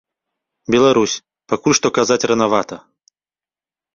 Беларусь, пакуль што казаць ранавата.